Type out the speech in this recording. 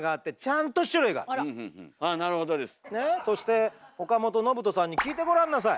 そして岡本信人さんに聞いてごらんなさい。